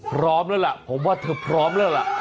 พร้อมแล้วล่ะผมว่าเธอพร้อมแล้วล่ะ